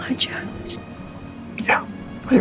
gak ada yang mau berbicara